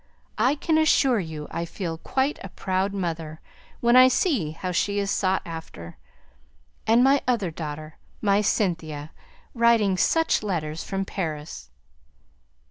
I can assure you I feel quite a proud mother, when I see how she is sought after. And my other daughter my Cynthia writing such letters from Paris!"